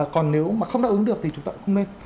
còn nếu mà không đáp ứng được thì chúng ta cũng không nên